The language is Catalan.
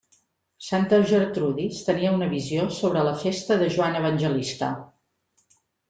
Santa Gertrudis tenia una visió sobre la festa de Joan Evangelista.